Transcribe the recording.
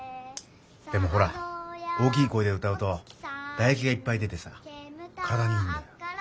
でもほら大きい声で歌うとだえきがいっぱい出てさ体にいいんだよ。